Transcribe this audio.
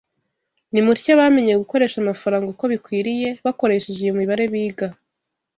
Nimutyo bamenye gukoresha amafaranga uko bikwiriye bakoresheje iyo mibare biga